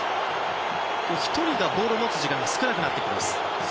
１人がボールを持つ時間が少なくなってきます。